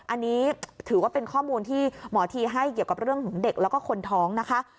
อันนี้ถือว่าเป็นข้อมูลที่หมอทีให้เกี่ยวกับเรื่องของเด็กแล้วก็คนท้องนะคะ